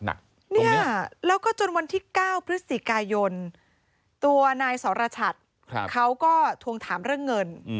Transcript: เนี่ยแล้วก็จนวันที่๙พฤศจิกายนตัวนายสรชัดเขาก็ทวงถามเรื่องเงิน